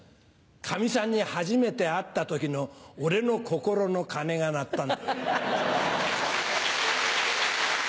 カミさんに初めて会った時の俺の心の鐘が鳴ったんだ。